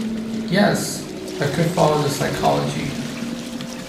Yes, I could follow the psychology.